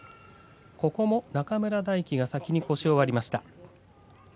ここも中村泰輝が先に腰を割りました。